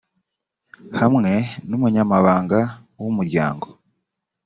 hamwe n umunyamabanga w umuryango